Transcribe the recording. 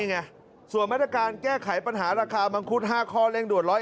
ไงส่วนมาตรการแก้ไขปัญหาราคามังคุด๕ข้อเร่งด่วน๑๐